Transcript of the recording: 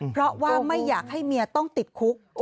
เพราะว่าไม่อยากให้เมียต้องติดคุก